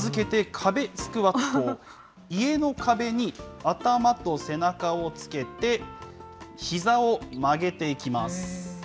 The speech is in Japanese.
家の壁に頭と背中をつけて、ひざを曲げていきます。